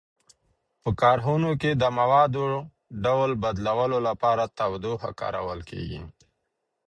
په کارخانو کې د موادو ډول بدلولو لپاره تودوخه کارول کیږي.